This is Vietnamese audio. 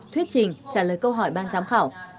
thuyết trình trả lời câu hỏi ban giám khảo